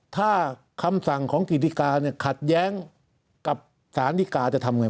ถ้าคำสั่งของกิติกาเนี่ยขัดแย้งกับสารดิกาจะทำไง